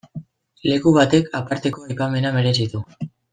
Leku batek aparteko aipamena merezi du.